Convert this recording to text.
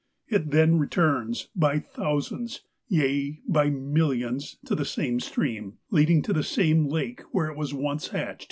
It then re turns, by thousands, yea — by millions, to the same stream, leading to the same lake where it was ouce hatched.'